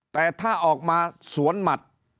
แต่ถ้าออกมาสวนหมัด